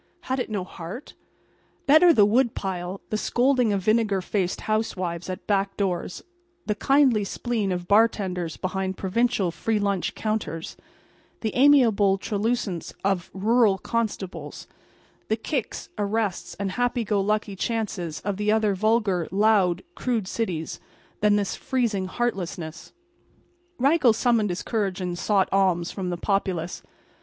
Had it no heart? Better the woodpile, the scolding of vinegar faced housewives at back doors, the kindly spleen of bartenders behind provincial free lunch counters, the amiable truculence of rural constables, the kicks, arrests and happy go lucky chances of the other vulgar, loud, crude cities than this freezing heartlessness. Raggles summoned his courage and sought alms from the populace.